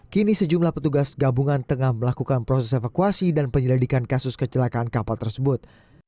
kini sejumlah petugas gabungan tengah melakukan proses evakuasi dan penyelidikan kasus kecelakaan kapal tersebut